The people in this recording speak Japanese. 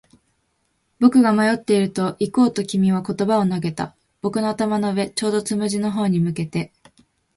僕が迷っていると、行こうと君は言葉を投げた。僕の頭の上、ちょうどつむじの方に向けて。